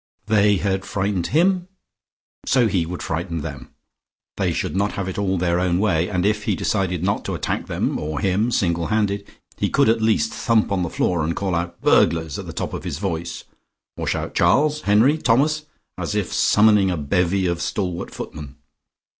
They had frightened him, and so he would frighten them. They should not have it all their own way, and if he decided not to attack them (or him) single handed, he could at least thump on the floor, and call out "Burglars!" at the top of his voice, or shout "Charles! Henry! Thomas!" as if summoning a bevy of stalwart footmen.